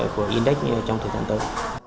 của index trong thời gian tới